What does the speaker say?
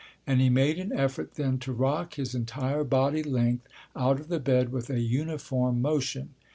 And he made an effort then to rock his entire body length out of the bed with a uniform motion.